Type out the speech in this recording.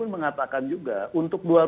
mengatakan juga untuk